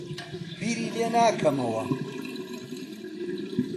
بیری لێ ناکەمەوە.